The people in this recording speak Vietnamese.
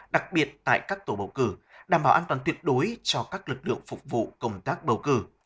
đặc biệt tại các tổ bầu cử đảm bảo an toàn tuyệt đối cho các lực lượng phục vụ công tác bầu cử